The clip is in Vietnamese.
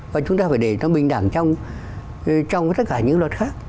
và chúng ta phải để cho bình đẳng trong tất cả những luật khác